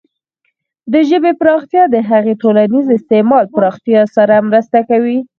د ژبې پراختیا د هغې د ټولنیز استعمال پراختیا سره مرسته کوي.